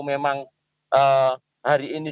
memang hari ini